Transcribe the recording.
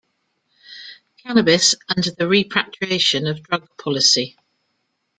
Cannabis and the repatriation of drug policy.